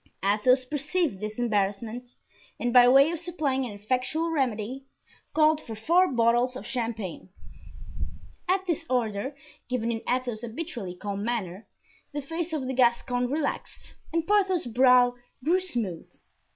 Athos perceived this embarrassment, and by way of supplying an effectual remedy, called for four bottles of champagne. At this order, given in Athos's habitually calm manner, the face of the Gascon relaxed and Porthos's brow grew smooth.